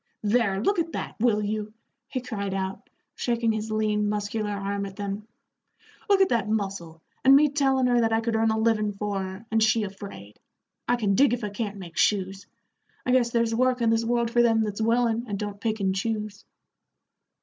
"There, look at that, will you," he cried out, shaking his lean, muscular arm at them; "look at that muscle, and me tellin' her that I could earn a livin' for her, and she afraid. I can dig if I can't make shoes. I guess there's work in this world for them that's willin', and don't pick and choose."